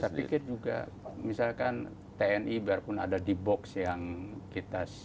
saya pikir juga misalkan tni biarpun ada di box yang kita